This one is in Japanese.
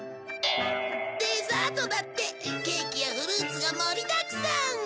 デザートだってケーキやフルーツが盛りだくさん。